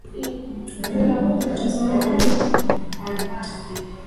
wareno walialeta sarafu yao karne ya kumi na tano